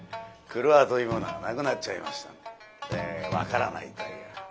郭というものがなくなっちゃいましたんで分からないという。